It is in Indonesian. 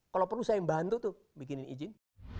kalau perlu saya bantu tuh bikinin izin